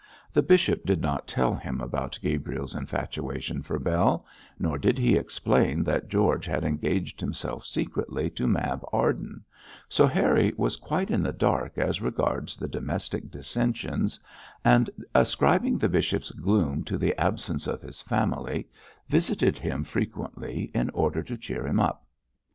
The bishop did not tell him about Gabriel's infatuation for Bell, nor did he explain that George had engaged himself secretly to Mab Arden, so Harry was quite in the dark as regards the domestic dissensions, and, ascribing the bishop's gloom to the absence of his family, visited him frequently in order to cheer him up.